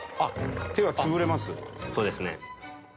そうですね。